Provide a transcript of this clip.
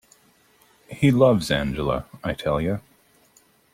He loves Angela, I tell you.